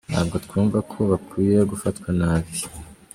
Ntabwo twumva ko bakwiye gufatwa nabi.